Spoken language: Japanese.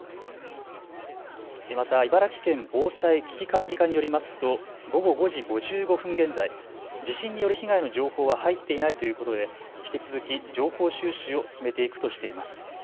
また茨城県防災・危機管理課によりますと午後５時５５分現在、地震による被害の情報は入っていないということで引き続き情報収集を進めていくとしています。